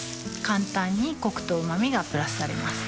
簡単にコクとうま味がプラスされます